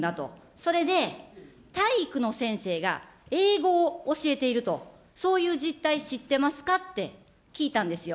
それで体育の先生が英語を教えていると、そういう実態、知ってますかって聞いたんですよ。